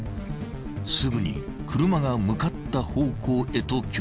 ［すぐに車が向かった方向へと急行する］